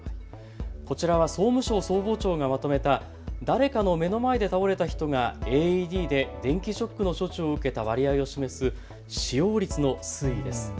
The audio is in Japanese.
こちらは総務省消防庁がまとめた誰かの目の前で倒れた人がＡＥＤで電気ショックの処置を受けた割合を示す使用率の推移です。